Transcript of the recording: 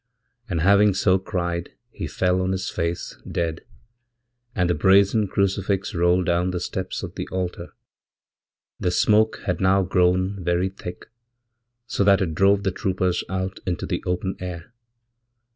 And havingso cried he fell on his face dead, and the brazen crucifix rolleddown the steps of the altar. The smoke had now grown very thick, sothat it drove the troopers out into the open air.